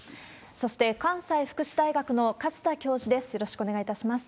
そして、関西福祉大学の勝田教授です。